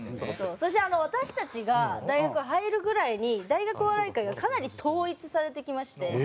そして私たちが大学入るぐらいに大学お笑い界がかなり統一されてきまして。